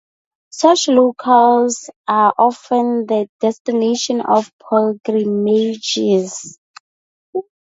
Such locales are often the destination of pilgrimages.